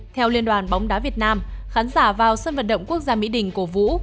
theo liên đoàn bóng đá việt nam khán giả vào sân vận động quốc gia mỹ đình cổ vũ